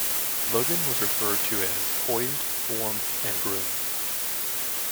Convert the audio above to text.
Logan was referred to as "poised, warm and groomed".